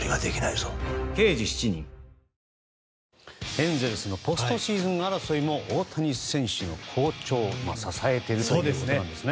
エンゼルスのポストシーズン争いも大谷選手の好調が支えているということなんですね。